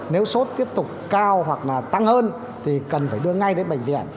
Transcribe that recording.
nếu sốt tiếp tục cao hoặc là tăng hơn thì cần phải đưa ngay đến bệnh viện